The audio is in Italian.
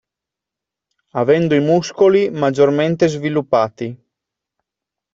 Avendo i muscoli maggiormente sviluppati.